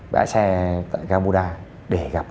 bãi xe tại gamuda